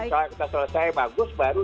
kalau kita selesai bagus baru